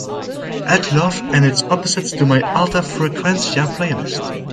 Add Love and Its Opposite to my Alta Frecuencia playlist.